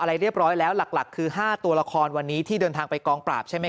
อะไรเรียบร้อยแล้วหลักคือ๕ตัวละครวันนี้ที่เดินทางไปกองปราบใช่ไหม